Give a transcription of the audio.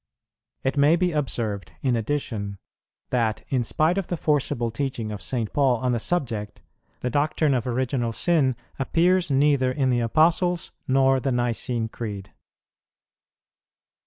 It may be observed, in addition, that, in spite of the forcible teaching of St. Paul on the subject, the doctrine of Original Sin appears neither in the Apostles' nor the Nicene Creed.